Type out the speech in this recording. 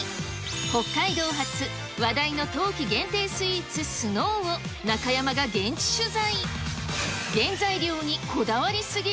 北海道発、話題の冬季限定スイーツ、スノーを中山が現地取材。